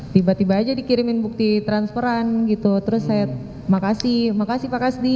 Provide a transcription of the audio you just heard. tiba tiba aja dikirimin bukti transferan gitu terus saya makasih makasih pak kasdi